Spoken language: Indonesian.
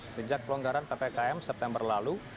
sejak pelonggaran ppkm september lalu